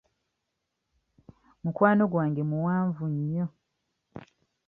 Mukwano gwange muwanvu nnyo.